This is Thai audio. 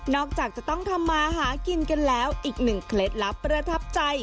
จากจะต้องทำมาหากินกันแล้วอีกหนึ่งเคล็ดลับประทับใจ